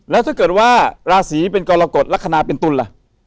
แล้วถ้าเกิดว่าราศีเป็นกรกฎลักษณะเป็นตุลล่ะ